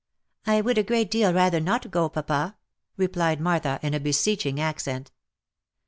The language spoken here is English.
" I would a great deal rather not go, papa !" replied Martha in a beseeching accent.